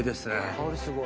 香りすごい。